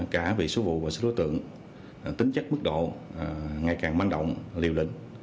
cả về số vụ và số đối tượng tính chất mức độ ngày càng manh động liều lĩnh